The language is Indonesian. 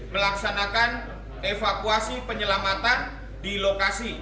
melaksanakan evakuasi penyelamatan di lokasi